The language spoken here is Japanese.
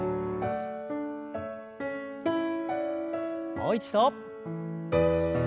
もう一度。